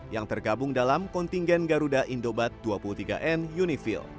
yang tergabung dalam kontingen garuda indobat dua puluh tiga n unifil